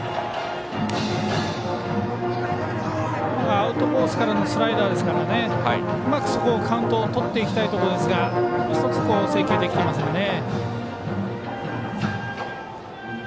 アウトコースからのスライダーですからうまくそこをカウントとっていきたいところですが１つ制球できていませんね。